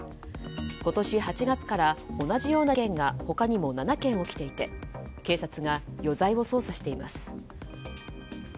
今年８月から同じような事件が他にも７件起きていて警察が余罪を捜査しています。